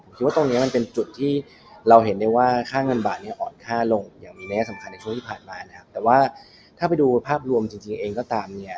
ผมคิดว่าตรงเนี้ยมันเป็นจุดที่เราเห็นได้ว่าค่าเงินบาทเนี่ยอ่อนค่าลงอย่างมีแน่สำคัญในช่วงที่ผ่านมานะครับแต่ว่าถ้าไปดูภาพรวมจริงจริงเองก็ตามเนี่ย